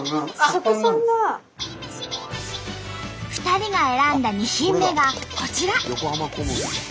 ２人が選んだ２品目がこちら。